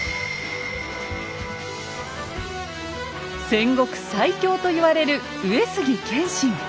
戦国最強と言われる上杉謙信。